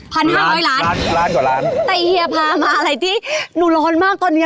แต่ไอ้เฮียพามาอะไรที่หนูร้อนมากกว่านี้